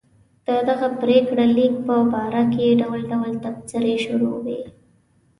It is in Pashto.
د دغه پرېکړه لیک په باره کې ډول ډول تبصرې شروع شوې.